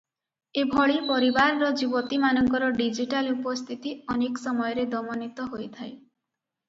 ଏଭଳି ପରିବାରର ଯୁବତୀମାନଙ୍କର ଡିଜିଟାଲ ଉପସ୍ଥିତି ଅନେକ ସମୟରେ ଦମନିତ ହୋଇଥାଏ ।